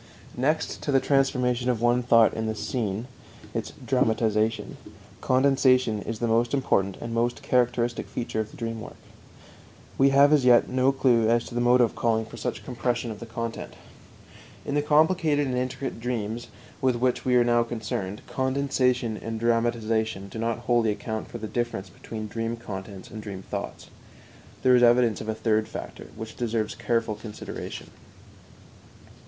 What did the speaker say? Next to the transformation of one thought in the scene (its "dramatization"), condensation is the most important and most characteristic feature of the dream work. We have as yet no clue as to the motive calling for such compression of the content. In the complicated and intricate dreams with which we are now concerned, condensation and dramatization do not wholly account for the difference between dream contents and dream thoughts. There is evidence of a third factor, which deserves careful consideration.